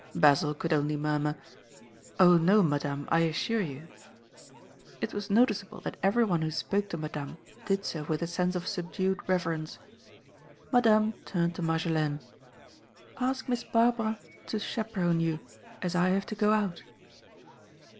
Basil could only murmur, "O no, Madame, I assure you—" It was noticeable that everyone who spoke to Madame did so with a sense of subdued reverence. Madame turned to Marjolaine. "Ask Miss Barbara to chaperone you, as I have to go out."